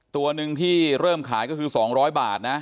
ตัวหนึ่งที่เริ่มขายก็คือ๒๐๐บาทนะ